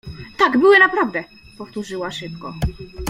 — Tak, były naprawdę! — powtórzyła szybko.